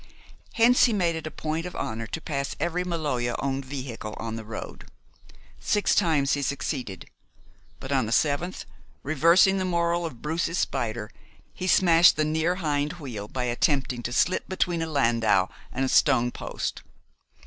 Hence, he made it a point of honor to pass every Maloja owned vehicle on the road. Six times he succeeded, but, on the seventh, reversing the moral of Bruce's spider, he smashed the near hind wheel by attempting to slip between a landau and a stone post.